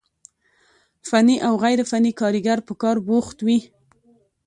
فني او غير فني کاريګر په کار بوخت وي،